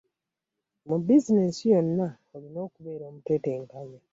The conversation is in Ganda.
Mu bizinesi yonna olina okubeera omutetenkanya